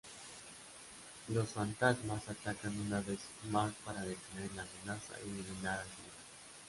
Los fantasmas atacan una vez más para detener la amenaza y eliminar al general.